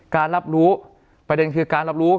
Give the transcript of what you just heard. การรับรู้ประเด็นคือการรับรู้